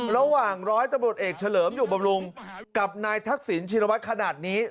ระหว่างร้อยตรวจเอกเฉลิมอยู่บำรุงกับนายทักศิลป์ชินวัฒน์ขนาดนี้